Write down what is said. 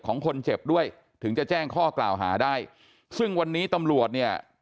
ของคนเจ็บด้วยถึงจะแจ้งข้อกล่าวหาได้ซึ่งวันนี้ตำรวจเนี่ย